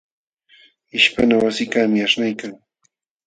Ishpana wasikaqmi aśhnaykan.